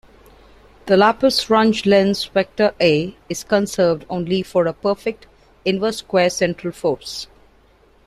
The Laplace-Runge-Lenz vector A is conserved only for a perfect inverse-square central force.